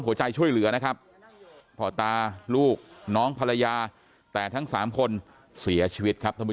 ช่วยเหลือนะครับพ่อตาลูกน้องภรรยาแต่ทั้งสามคนเสียชีวิตครับท่านผู้